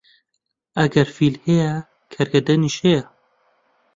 ئەگەر فیل هەیە، کەرگەدەنیش هەیە